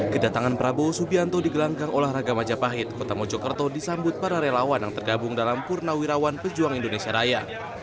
kedatangan prabowo subianto di gelanggang olahraga majapahit kota mojokerto disambut para relawan yang tergabung dalam purnawirawan pejuang indonesia raya